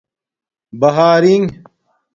بہارنݣ